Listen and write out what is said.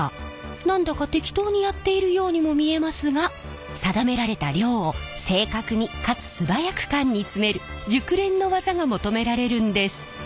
何だか適当にやっているようにも見えますが定められた量を正確にかつ素早く缶に詰める熟練の技が求められるんです。